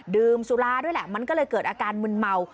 ดื่มสุราด้วยแหละมันก็เลยเกิดอาการมึนเมา